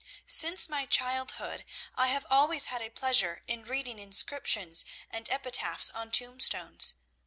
"Since my childhood I have always had a pleasure in reading inscriptions and epitaphs on tombstones.